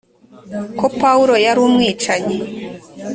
ko Pawulo yari umwicanyi